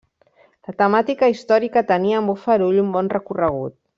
La temàtica històrica tenia en Bofarull un bon recorregut.